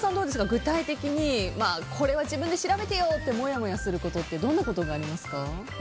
具体的にこれは自分で調べてよってもやもやすることどんなことがありますか？